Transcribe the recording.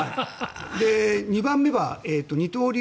２番目は二刀流